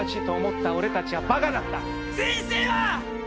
「人生は」